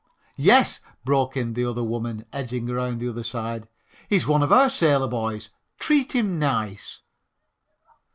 "Yes," broke in the other woman, edging around on the other side, "he's one of our sailor boys. Treat him nice."